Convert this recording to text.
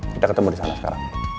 kita ketemu disana sekarang